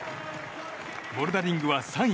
ボルダリングは３位。